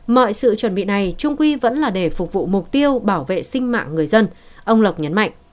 mọi sự chuẩn bị này trung quy vẫn là để phục vụ mục tiêu bảo vệ sinh mạng người dân ông lộc nhấn mạnh